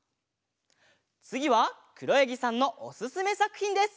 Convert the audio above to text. つぎはくろやぎさんのおすすめさくひんです。